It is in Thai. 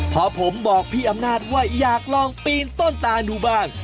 พอผมบอกพี่อำนาจว่าอยากลองปีนต้นตาดูบ้าง